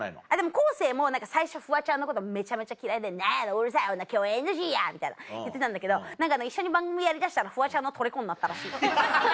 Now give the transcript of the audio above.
昴生も最初フワちゃんのことめちゃめちゃ嫌いで「何やうるさい女共演ＮＧや」みたいな言ってたんだけど一緒に番組やりだしたらフワちゃんのとりこになったらしい。